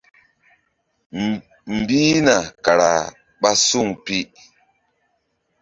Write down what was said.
Mbihna kara ɓa suŋ pi.